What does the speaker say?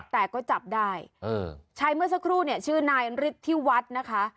แต่ก็จับได้ชายเมื่อสักครู่เนี่ยชื่อนายฤทธิวัฒน์นะคะ